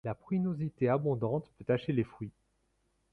La pruinosité abondante peut tacher les fruits.